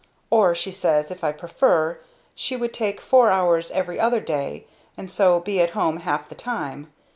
Or she says, if I prefer, she would take four hours every other day and so be at home half the time.